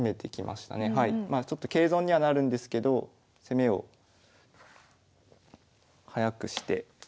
まあちょっと桂損にはなるんですけど攻めを早くしてスピードで。